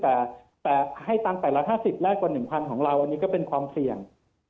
แต่ให้ตังค์แต่ละ๕๐แลกกว่า๑๐๐ของเราอันนี้ก็เป็นความเสี่ยง